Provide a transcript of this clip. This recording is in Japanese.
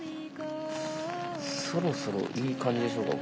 そろそろいい感じでしょうか